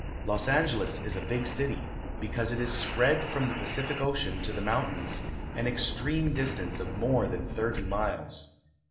Los Angeles is a big city, because it is spread from the Pacific Ocean to the mountains—an extreme distance of more than thirty miles.